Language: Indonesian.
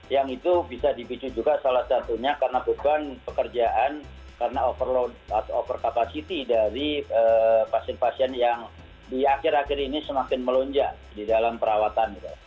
yang itu bisa dipicu juga salah satunya karena beban pekerjaan karena overload atau over capacity dari pasien pasien yang di akhir akhir ini semakin melonjak di dalam perawatan